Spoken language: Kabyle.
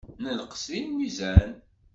Nenqes deg lmizan.